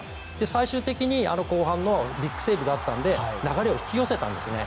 最終的にあの後半のビッグセーブだったので流れを引き寄せたんですね。